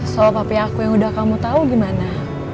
soal papi aku yang udah kamu tahu gimana